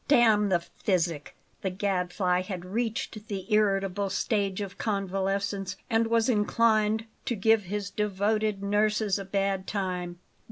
"Damn the physic!" The Gadfly had reached the irritable stage of convalescence, and was inclined to give his devoted nurses a bad time.